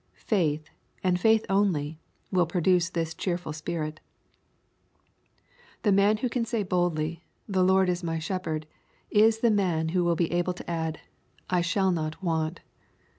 Faith, and faith only, wJl produce this cheerful spirit. The man who can say boldly, " The Lord is my sheplierd," is the man who will be able to add, " I shall not want."